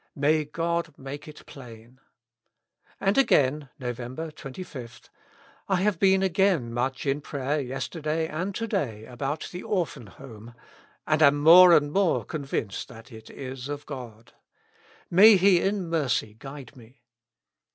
May God make it plain." And again, Nov. 25 : "I have been again much in prayer yesterday and to day about the Orphan Home, and am more and more convinced that it is of God. INIay He in mercy guide me.